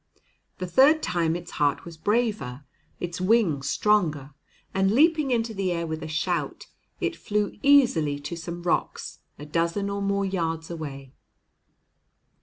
The third time its heart was braver, its wings stronger, and, leaping into the air with a shout, it flew easily to some rocks a dozen or more yards away.